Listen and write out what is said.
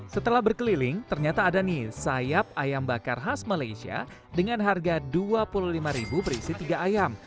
setelah berkeliling ternyata ada nih sayap ayam bakar khas malaysia dengan harga rp dua puluh lima berisi tiga ayam